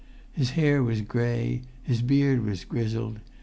His hair was grey; his beard was grizzled.